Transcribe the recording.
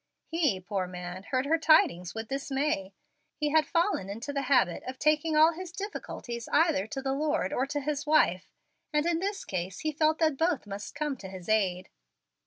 He, poor man, heard her tidings with dismay. He had fallen into the habit of taking all his difficulties either to the Lord or to his wife, and in this case he felt that both must come to his aid.